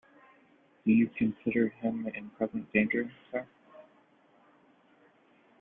Do you consider him in present danger, sir?